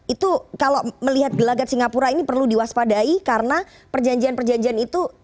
itu kalau melihat gelagat singapura ini perlu diwaspadai karena perjanjian perjanjian itu